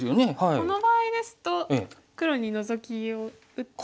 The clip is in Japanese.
この場合ですと黒にノゾキを打って。